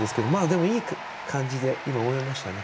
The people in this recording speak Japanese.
でも、いい感じで終えましたね。